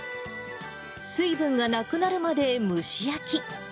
水分がなくなるまで、蒸し焼き。